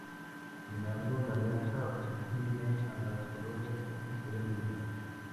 Sin embargo, la alianza oprime a las colonias con su poder militar.